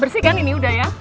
bersih kan ini udah ya